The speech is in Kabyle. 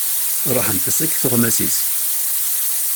Ruḥent-as akk tuɣmas-is.